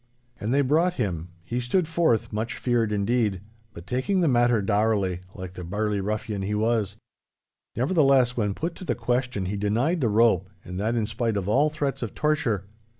And they brought him. He stood forth, much feared indeed, but taking the matter dourly, like the burly ruffian he was. Nevertheless when put to the question he denied the rope, and that in spite of all threats of torture.